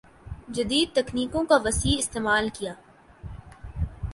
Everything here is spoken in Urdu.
جدید تکنیکوں کا وسیع استعمال کِیا